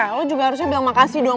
eh lu juga harusnya bilang makasih dong